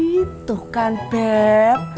itu kan beb